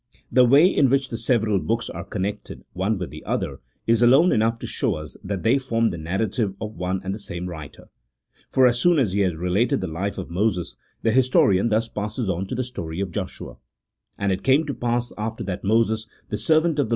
The way in which the several books are connected one with the other is alone enough to show us that they form the narrative of one and the same writer. For as soon as he has related the life of Moses, the historian thus passes on to the story of Joshua: " And it came to pass after that Moses the servant of the CHAP. VIII.] TEE AUTHORSHIP OF THE PENTATEUCH.